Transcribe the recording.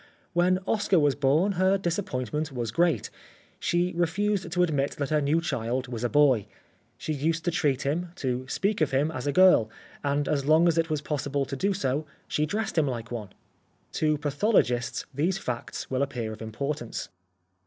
When Oscar was born, her disappointment was great. She refused to admit that her new child was a boy. She used to treat him, to speak of him as a girl, and as long as it was possible to do so, she dressed him like one. To pathologists these facts will appear of importance.